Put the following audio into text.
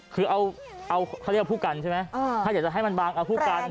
คือเขาเรียกว่าพุกันใช่ไหมถ้าอยากจะให้มันบางทำให้พุกัน